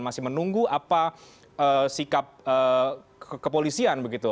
masih menunggu apa sikap kepolisian begitu